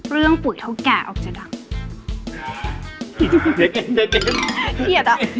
เรื่องปุ๋ยเถ้าแกก็ออกจากดังเมื่อกี๊